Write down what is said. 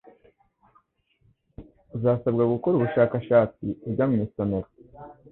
Uzasabwa gukora ubushakashatsi ujya mu isomero,